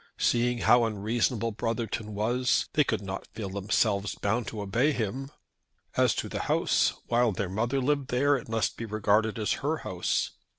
Seeing how unreasonable Brotherton was, they could not feel themselves bound to obey him. As to the house, while their mother lived there it must be regarded as her house.